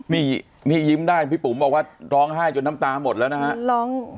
นี่นี่ยิ้มได้พี่ปุ๋มบอกว่าร้องไห้จนน้ำตาหมดแล้วนะฮะ